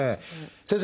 先生